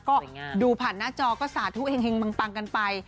ก็ดูผ่านหน้าจอก็สาธุแห่งปังกันไป